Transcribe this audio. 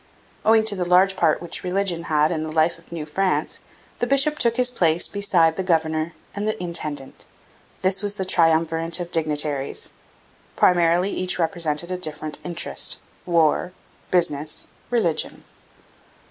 Owing to the large part which religion had in the life of New France the bishop took his place beside the governor and the intendant. This was the triumvirate of dignitaries. Primarily each represented a different interest war, business, religion.